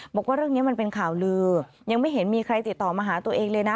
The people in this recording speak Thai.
บอกว่าเรื่องนี้มันเป็นข่าวลือยังไม่เห็นมีใครติดต่อมาหาตัวเองเลยนะ